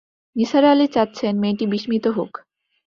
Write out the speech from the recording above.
নিসার আলি চাচ্ছেন মেয়েটি বিস্মিত হোক।